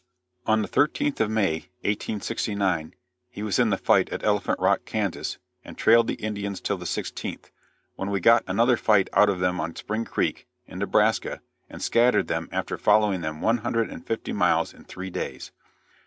"On the 13th of May, 1869, he was in the fight at Elephant Rock, Kansas, and trailed the Indians till the 16th, when we got another fight out of them on Spring Creek, in Nebraska, and scattered them after following them one hundred and fifty miles in three days.